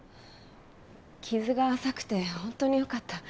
傷が浅くて本当によかった。